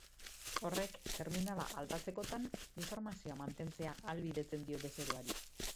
Horrek, terminala aldatzekotan informazioa mantentzea ahalbidetzen dio bezeroari.